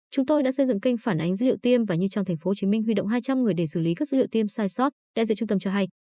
chúng tôi đã xây dựng kênh phản ánh dữ liệu tiêm và như trong tp hcm huy động hai trăm linh người để xử lý các dữ liệu tiêm sai sót đại diện trung tâm cho hay